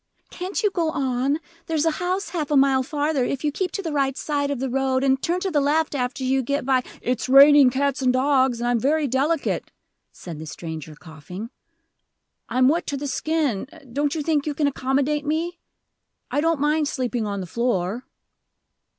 "Can't you go on? There's a house half a mile farther, if you keep to the right hand side of the road, and turn to the left after you get by " "It's raining cats and dogs, and I'm very delicate," said the stranger, coughing. "I'm wet to the skin: don't you think you can accommodate me? I don't mind sleeping on the floor."